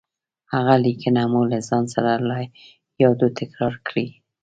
هغه ليکنه مو له ځان سره له يادو تکرار کړئ.